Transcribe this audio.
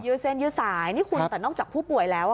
เส้นยืดสายนี่คุณแต่นอกจากผู้ป่วยแล้ว